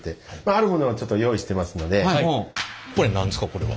これは。